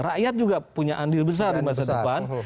rakyat juga punya andil besar di masa depan